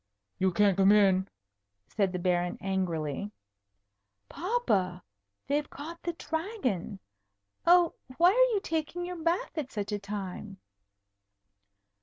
"You can't come in!" said the Baron angrily. "Papa! They've caught the Dragon. Oh why are you taking your bath at such a time?"